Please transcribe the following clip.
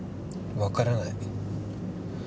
わからない。